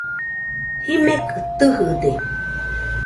Jimekɨ tɨjɨde